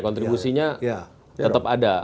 contribusinya tetap ada